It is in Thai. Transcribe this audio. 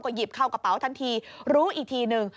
หยิบเข้ากระเป๋าทันทีรู้อีกทีหนึ่ง